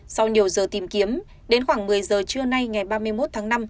sau nhiều giờ tìm kiếm đến khoảng một mươi giờ trưa nay ngày ba mươi một tháng năm